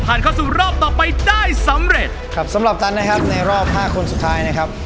เข้าสู่รอบต่อไปได้สำเร็จครับสำหรับตันนะครับในรอบห้าคนสุดท้ายนะครับ